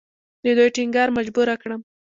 د دوی ټینګار مجبوره کړم.